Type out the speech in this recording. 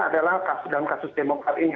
adalah kasus dalam kasus demokrat ini